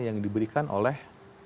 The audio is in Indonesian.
yang diberikan oleh